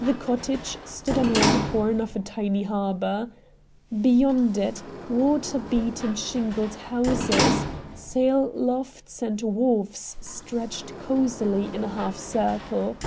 The cottage stood on one horn of a tiny harbor. Beyond it, weather beaten shingled houses, sail lofts, and wharfs stretched cosily in a half circle.